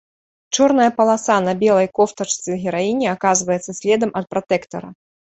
Чорная паласа на белай кофтачцы гераіні аказваецца следам ад пратэктара.